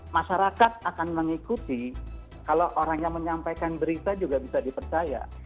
masyarakat akan mengikuti kalau orang yang menyampaikan berita juga bisa dipercaya